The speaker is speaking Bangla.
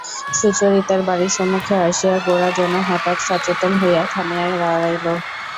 সুচরিতার বাড়ির সম্মুখে আসিয়া গোরা যেন হঠাৎ সচেতন হইয়া থামিয়া দাঁড়াইল।